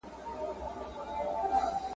لویه جرګه د هیواد د ستونزو لپاره څه حل لري؟